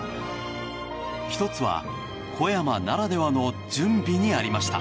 １つは、小山ならではの準備にありました。